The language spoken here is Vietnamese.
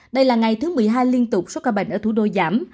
đây là ngày thứ một mươi hai liên tục số ca bệnh ở thủ đô giảm